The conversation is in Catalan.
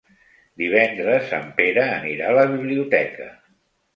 Divendres en Pere anirà a la biblioteca.